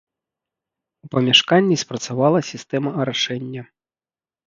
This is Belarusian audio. У памяшканні спрацавала сістэма арашэння.